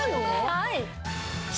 はい。